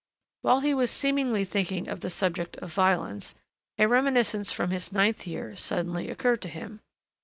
While he was seemingly thinking of the subject of violence, a reminiscence from his ninth year suddenly occurred to him.